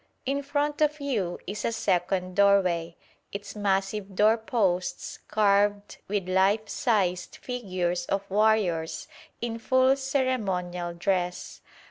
In front of you is a second doorway, its massive door posts carved with life sized figures of warriors in full ceremonial dress.